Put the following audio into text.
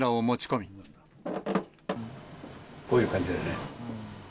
こういう感じだね。